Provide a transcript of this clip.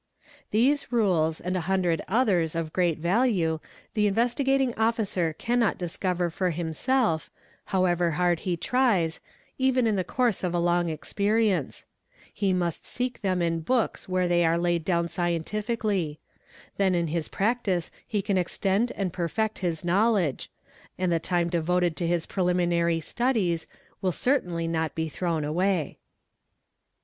These rules and a hundred others of great value, the Investigating Officer cannot discover for himself, however hard he tries, even in the course of a long experience ; he must seek them in books where they are laid down scientifically; then in his practice he can extend and perfect his knowledge, and the time devoted to his preliminary studies will certainly not be thrown away.